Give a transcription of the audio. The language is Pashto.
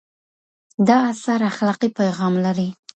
دا اثر اخلاقي پیغام لري.